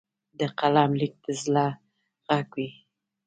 د قلم لیک د زړه غږ وي.